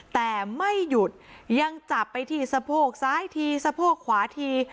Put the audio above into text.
แต่ไม่หยุดยังจับไปที่สะโพกซ้ายทีสะโพกขวาที